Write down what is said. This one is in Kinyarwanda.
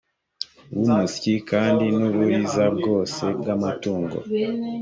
w umusyi kandi n uburiza bwose bw amatungo